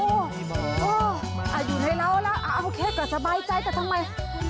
โอ๊ยอยู่ในเราร่าก่อนโอเคก็สบายใจแต่ทำไม